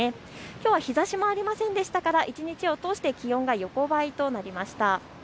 きょうは日ざしもありませんでしたから一日を通して気温が横ばいとなりました。